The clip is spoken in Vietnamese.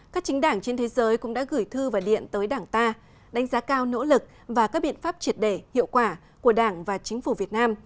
các chính đảng trên thế giới cũng đã gửi thư và điện tới đảng ta đánh giá cao nỗ lực và các biện pháp triệt đề hiệu quả của đảng và chính phủ việt nam